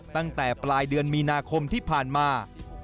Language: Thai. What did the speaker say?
ตั้งแต่ปลายเดือนมีนาคมที่ผ่านมา